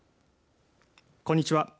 こんにちは。